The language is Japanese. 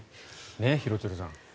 廣津留さん。